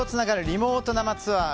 リモート生ツアー。